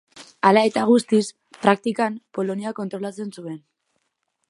Hala eta guztiz, praktikan, Poloniak kontrolatzen zuen.